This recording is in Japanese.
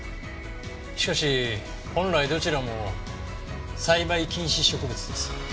しかし本来どちらも栽培禁止植物です。